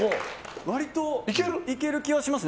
割といける気はしますね。